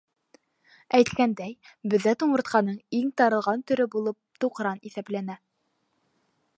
Әйткәндәй, беҙҙә тумыртҡаның иң таралған төрө булып туҡран иҫәпләнә.